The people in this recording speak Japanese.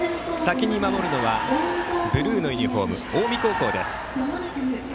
先に守るのはブルーのユニフォーム近江高校です。